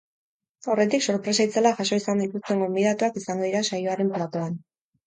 Aurretik, sorpresa itzelak jaso izan dituzten gonbidatuak izango dira saioaren platoan.